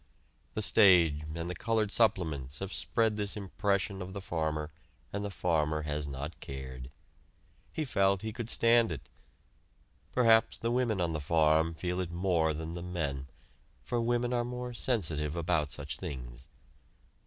The stage and the colored supplements have spread this impression of the farmer, and the farmer has not cared. He felt he could stand it! Perhaps the women on the farm feel it more than the men, for women are more sensitive about such things.